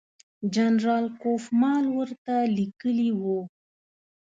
جنرال کوفمان ورته لیکلي وو.